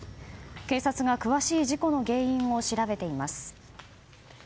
警察が詳しい事故の原因を調べています。